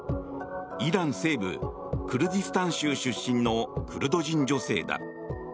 イラン西部クルディスタン州出身のクルド人女性だ。